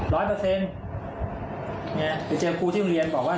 ร้อยเปอร์เซ็นต์เนี่ยหากเจอครูที่เรียนบอกว่า